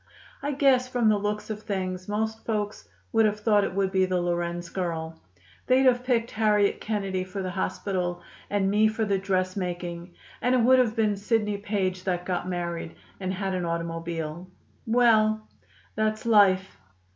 I guess, from the looks of things, most folks would have thought it would be the Lorenz girl. They'd have picked Harriet Kennedy for the hospital, and me for the dressmaking, and it would have been Sidney Page that got married and had an automobile. Well, that's life."